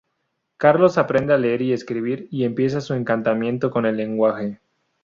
Carlos aprende a leer y escribir y empieza su encantamiento con el lenguaje.